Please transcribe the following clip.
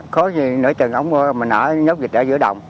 có gì nửa trời nóng mưa mình ở nhốt vịt ở giữa đồng